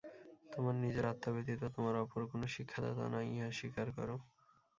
তোমার নিজের আত্মা ব্যতীত তোমার অপর কোন শিক্ষাদাতা নাই, ইহা স্বীকার কর।